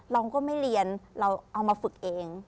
เราก็ไม่เรียนเราเอามาฝึกเอง